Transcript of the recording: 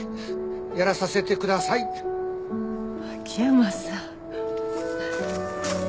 秋山さん。